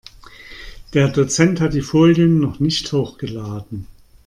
Der Dozent hat die Folien noch nicht hochgeladen.